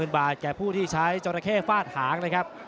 ๑๐๐๐๐บาทแก่ผู้ที่ใช้จราเคฟาดหาง